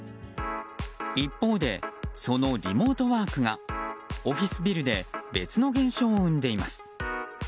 一方でそのリモートワークがオフィスビルで別の現象を生んでいます。